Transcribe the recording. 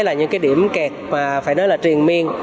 là những điểm kẹt mà phải nói là truyền miên